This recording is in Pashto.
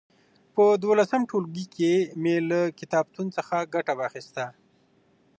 په دولسم ټولګي کي مي له کتابتون څخه ګټه واخيسته.